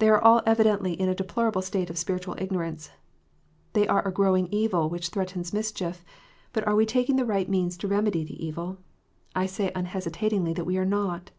They are all evidently in a deplorable state of spiritual ignorance ; they are a growing evil, which threatens mischief : but are we taking the right means to remedy the evil 1 I say unhesitatingly that we are not.